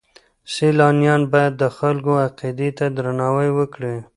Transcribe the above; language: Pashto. سیلانیان باید د خلکو عقیدې ته درناوی وکړي.